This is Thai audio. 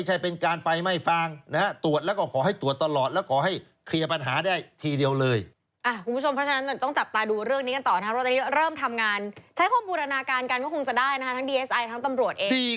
ใช่เขาระบุเลยว่าเดี๋ยววันนี้ลองลองบี